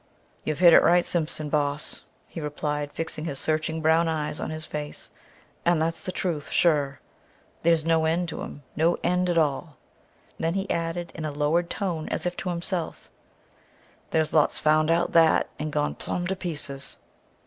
"You've hit it right, Simpson, boss," he replied, fixing his searching brown eyes on his face, "and that's the truth, sure. There's no end to 'em no end at all." Then he added in a lowered tone as if to himself, "There's lots found out that, and gone plumb to pieces!"